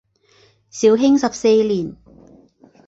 绍兴十四年。